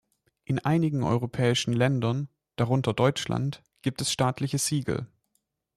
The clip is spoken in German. In einigen europäischen Ländern, darunter Deutschland, gibt es staatliche Siegel.